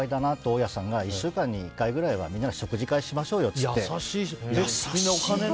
大家さんが１週間に１回くらいはみんなに食事会しましょうよって。